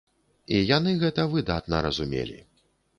І яны гэта выдатна разумелі.